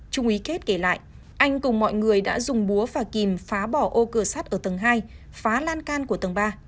trung ý kết kể lại anh cùng mọi người đã dùng búa và kìm phá bỏ ô cửa sắt ở tầng hai phá lan can của tầng ba